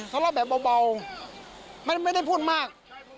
เขาเล่าแบบเบาไม่ได้พูดมาก